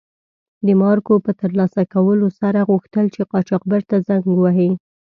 د مارکو په تر لاسه کولو سره غوښتل چې قاچاقبر ته زنګ و وهي.